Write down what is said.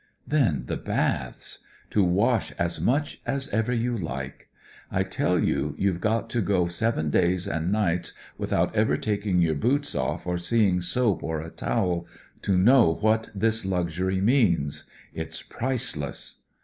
Then the baths. To wash as much as ever you like I I tell you you've got to go seven days and nights without ever taking your boots off or seeing soap or a towel, to know what this luxury means — it's priceless.